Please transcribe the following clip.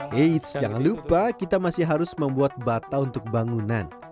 eits jangan lupa kita masih harus membuat bata untuk bangunan